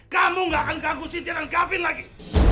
kamu gak akan ganggu siti dan gavin lagi